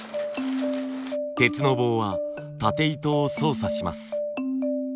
鉄の棒はたて糸を操作します。